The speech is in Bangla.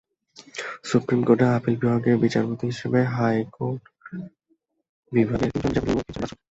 সুপ্রিম কোর্টের আপিল বিভাগের বিচারপতি হিসেবে হাইকোর্ট বিভাগের তিনজন বিচারপতিকে নিয়োগ দিয়েছেন রাষ্ট্রপতি।